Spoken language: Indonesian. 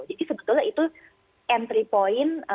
jadi sebetulnya itu entry point